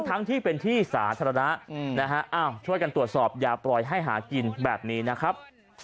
ทั้งที่เป็นที่สาธารณะนะฮะช่วยกันตรวจสอบอย่าปล่อยให้หากินแบบนี้นะครับ